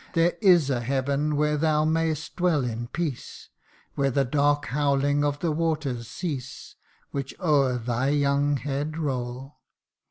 There is a heaven where thou mayst dwell in peace ; Where the dark howling of the waters cease, Which o'er thy young head roll.